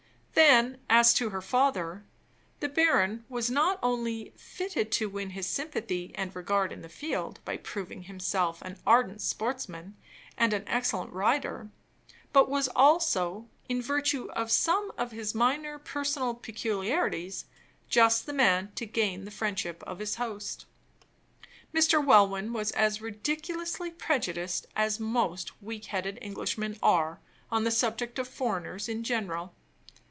Then, as to her father, the baron was not only fitted to win his sympathy and regard in the field, by proving himself an ardent sportsman and an excellent rider; but was also, in virtue of some of his minor personal peculiarities, just the man to gain the friendship of his host. Mr. Welwyn was as ridiculously prejudiced as most weak headed Englishmen are, on the subject of foreigners in general.